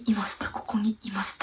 ここにいました